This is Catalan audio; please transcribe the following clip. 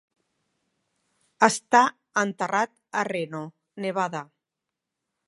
Està enterrat a Reno, Nevada.